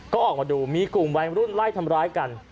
ก็ออกมาดูมีกลุ่มวัยรุ่นไล่ทำร้ายกัน